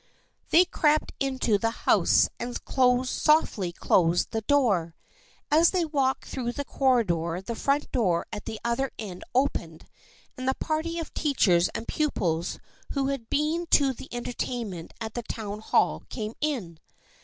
They crept into the house and softly closed the door. As they walked through the corridor the front door at the other end opened and the party of teachers and pupils who had been to the enter tainment at the Town Hall came in.